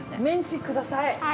メンチください。